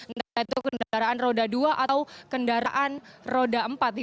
entah itu kendaraan roda dua atau kendaraan roda empat